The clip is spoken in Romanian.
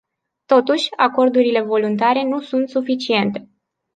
Totuși, acordurile voluntare nu sunt suficiente.